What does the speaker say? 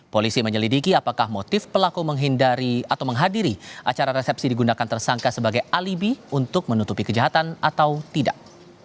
polisi menyelidiki apakah motif pelaku menghindari atau menghadiri acara resepsi digunakan tersangka sebagai alibi untuk menutupi kejahatan atau tidak